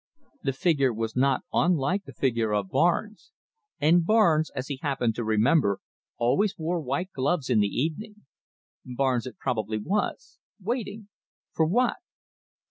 The figure was not unlike the figure of Barnes, and Barnes, as he happened to remember, always wore white gloves in the evening. Barnes it probably was, waiting for what?